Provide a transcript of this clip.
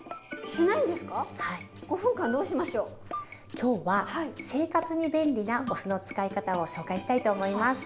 今日は生活に便利なお酢の使い方を紹介したいと思います。